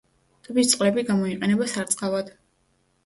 ტბის წყლები გამოიყენება სარწყავად.